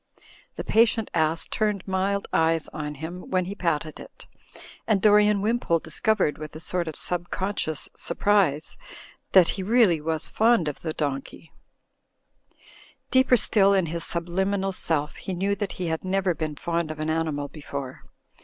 The patient ass turned mild eyes on him when he patted it, and Dorian Wimpole discovered, with a sort of subconscious surprise, that he really was fond THE SEVEN MOODS OF DORIAN 193 of the donkey. Deeper still in his subliminal self he knew that he had never been fond of an animal before.